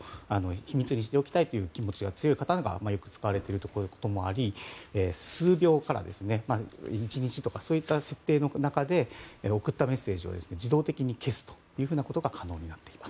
秘密にしておきたい気持ちが強い方がよく使われていることもあり数秒から１日とかそういった設定の中で送ったメッセージを自動的に消すことが可能になっています。